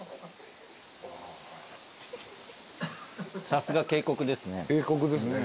さすが渓谷ですね。